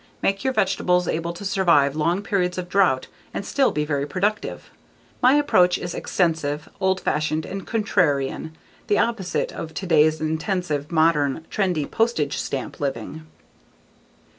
Make your vegetables able to survive long periods of drought and still be very productive. My approach is extensive, old fashioned and contrarian, the opposite of today's intensive, modern, trendy postage stamp living.